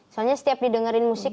soalnya setiap didengerin musik